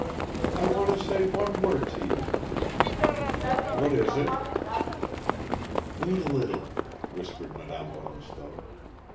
. I want to say one word to you." "What is it?" "Wait a little," whispered Madame Odintsov.